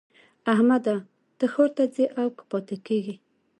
احمده! ته ښار ته ځې او که پاته کېږې؟